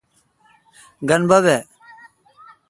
گین بب اؘ۔